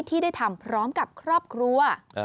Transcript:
ที่ได้ทำพร้อมกับครอบครัว